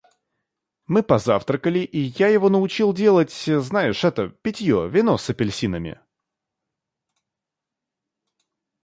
Мы позавтракали, и я его научил делать, знаешь, это питье, вино с апельсинами.